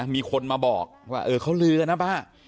มีคนมาบอกว่าเขาลือนะบ้า